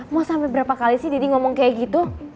mau sampai berapa kali sih deddy ngomong kayak gitu